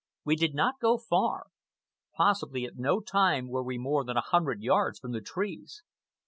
We did not go far. Possibly at no time were we more than a hundred yards from the trees.